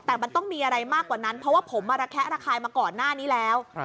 แต่มันต้องมีอะไรมากกว่านั้นเพราะว่าผมมาระแคะระคายมาก่อนหน้านี้แล้ว